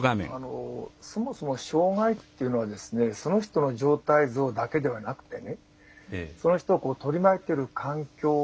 そもそも障害っていうのはその人の状態像だけではなくその人を取り巻いている環境。